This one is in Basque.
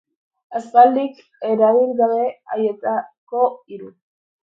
Aspalditik erabili gabe haietako hiru.